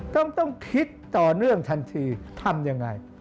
ต้องคิดต่อเนื่องทันทีทำยังไง